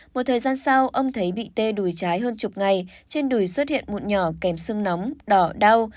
một thời gian sau ông thấy bị tê đùi trái hơn chục ngày trên đùi xuất hiện muộn nhỏ kèm sưng nóng đỏ đau